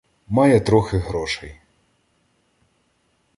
має трохи грошей.